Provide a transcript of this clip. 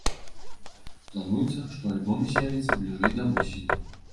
Плануецца, што альбом з'явіцца бліжэй да восені.